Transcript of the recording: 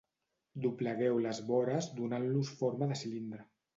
Doblegueu les vores donant-los forma de cilindre